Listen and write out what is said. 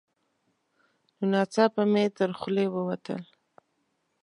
نو ناڅاپه مې تر خولې ووتل: